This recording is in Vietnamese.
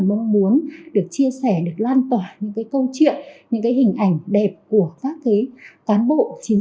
mong muốn được chia sẻ được lan tỏa những câu chuyện những hình ảnh đẹp của các cán bộ chiến